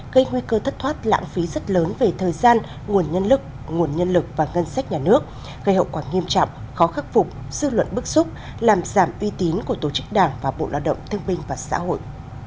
gây nguy cơ thất thoát lãng phí rất lớn về thời gian nguồn nhân lực nguồn nhân lực và ngân sách nhà nước gây hậu quả nghiêm trọng khó khắc phục dư luận bức xúc làm giảm uy tín của tổ chức đảng và bộ lao động thương minh và xã hội